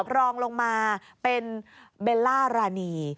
รองลงมาเป็นเบลล่ารานี